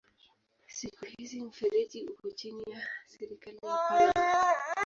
Siku hizi mfereji uko chini ya serikali ya Panama.